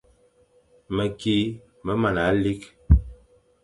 Meki me mana likh.